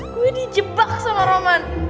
gue dijebak sama roman